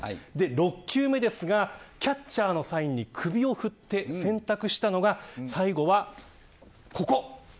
６球目はキャッチャーのサインに首を振って選択したのが、最後はここ。